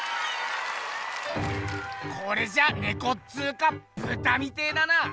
これじゃネコっつうかブタみてえだな！